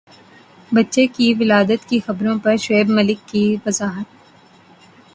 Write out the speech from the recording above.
بچے کی ولادت کی خبروں پر شعیب ملک کی وضاحت